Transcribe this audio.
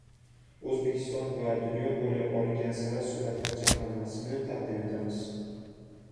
O‘zbekiston va dunyo bo‘ylab olingan sara suratlar jamlanmasini taqdim etamiz